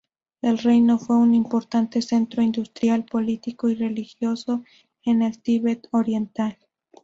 El reino fue un importante centro industrial, político y religioso en el Tíbet oriental.